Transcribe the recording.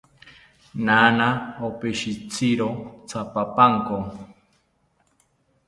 Naana opishitziro tyaapapanko